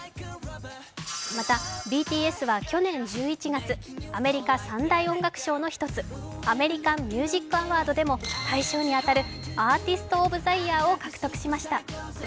また、ＢＴＳは去年１１月アメリカ３大音楽賞の１つアメリカン・ミュージック・アワードでも大賞に当たるアーティスト・オブ・ザ・イヤーを獲得しました。